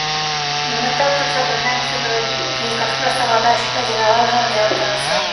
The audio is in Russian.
И мы также побуждаем все другие государства, обладающие ядерным оружием, сделать то же самое.